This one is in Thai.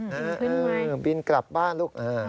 บินขึ้นไว้บินกลับบ้านลูก